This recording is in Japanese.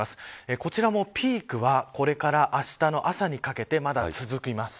こちらもピークはこれからあしたの朝にかけてまだ続きます。